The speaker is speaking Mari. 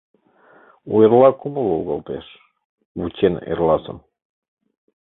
У эрла кумыл волгалтеш, вучен эрласым.